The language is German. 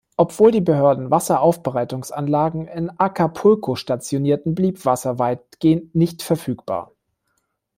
Obwohl die Behörden Wasseraufbereitungsanlagen in Acapulco stationierten, blieb Wasser weitgehend nicht verfügbar.